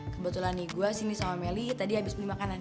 kebetulan nih gue sini sama melly tadi habis beli makanan